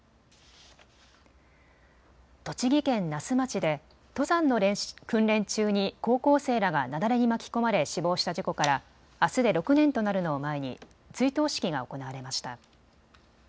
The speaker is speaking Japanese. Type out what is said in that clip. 栃木県那須町で登山の訓練中に高校生らが雪崩に巻き込まれ死亡した事故からあすで６年となるのを前に追悼式が行われました。